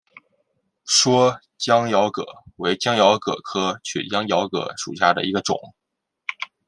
蓑江珧蛤为江珧蛤科曲江珧蛤属下的一个种。